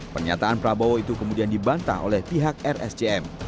pernyataan prabowo itu kemudian dibantah oleh pihak rsjm